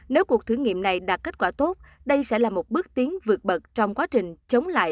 nếu cuộc thử nghiệm này đạt kết quả tốt đây sẽ là một bước tiến vượt bậc trong quá trình chống lại